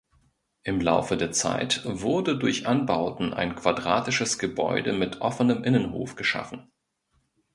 Im Laufe der Zeit wurde durch Anbauten ein quadratisches Gebäude mit offenem Innenhof geschaffen.